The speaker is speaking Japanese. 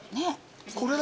これだ。